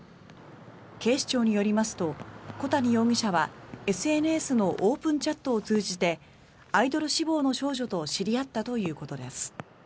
警視庁によりますと小谷容疑者はＳＮＳのオープンチャットを通じてアイドル志望の少女と知り合ったということです。